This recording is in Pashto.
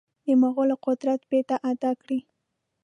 د مغولو قدرت بیرته اعاده کړي.